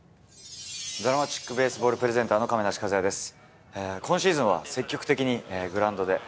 ＤＲＡＭＡＴＩＣＢＡＳＥＢＡＬＬプレゼンターの亀梨和也です。